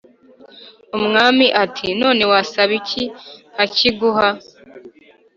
umwami ati"none wasaba iki nkakiguha? "